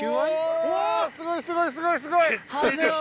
すごいすごいすごいすごい！